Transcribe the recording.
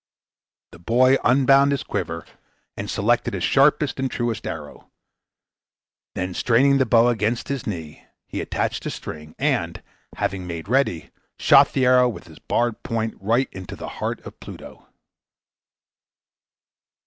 The boy unbound his quiver, and selected his sharpest and truest arrow; then straining the bow against his knee, he attached the string, and, having made ready, shot the arrow with its barbed point right into the heart of Pluto.